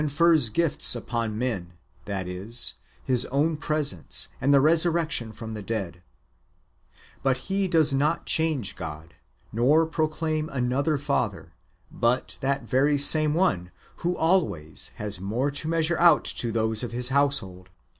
401 fers gifts iipon men, that is, His own presence, and the resur rection from the dead ; but He does not change God, nor proclaim another Father, but that very same one, who always has more to measure out to those of His household.